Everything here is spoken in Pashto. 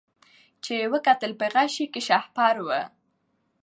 چي یې وکتل په غشي کي شهپر وو